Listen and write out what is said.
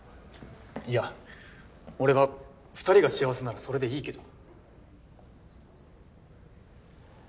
いや俺は２人が幸せならそれでいいけど。